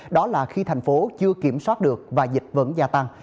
đó là khi thành phố chưa kiểm soát được và dịch vẫn gia tăng